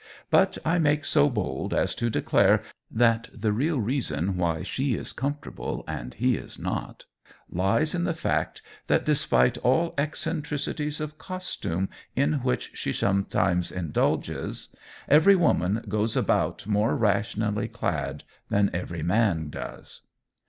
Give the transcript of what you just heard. But I make so bold as to declare that the real reason why she is comfortable and he is not, lies in the fact that despite all eccentricities of costume in which she sometimes indulges, Everywoman goes about more rationally clad than Everyman does.